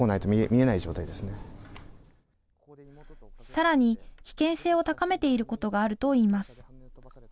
さらに危険性を高めていることがあるといいます。